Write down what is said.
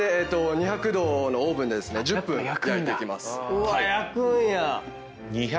２００℃のオーブンで１０分間焼いていきます。